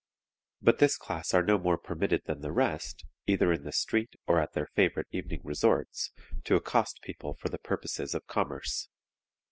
But this class are no more permitted than the rest, either in the street or at their favorite evening resorts, to accost people for purposes of commerce.